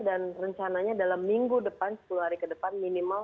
dan rencananya dalam minggu depan sebulan hari ke depan minimal seribu